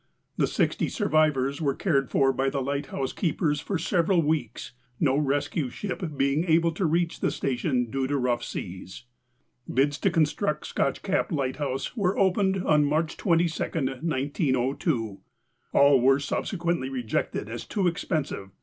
The 60 survivors were cared for by the lighthouse keepers for several weeks, no rescue ship being able to reach the station due to rough seas. (Snow 1955: 279) Bids to construct Scotch Cap Lighthouse were opened on March 22, 1902. All were subsequently rejected as too expensive.